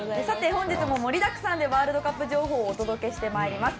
本日も盛りだくさんでワールドカップ情報をお届けしてまいります。